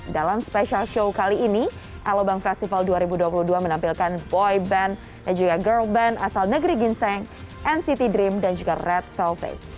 dalam special show kali ini alobank festival dua ribu dua puluh dua menampilkan boy band dan juga girl band asal negeri ginseng nct dream dan juga red calvi